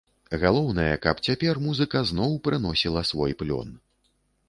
Галоўнае, каб цяпер музыка зноў прыносіла свой плён.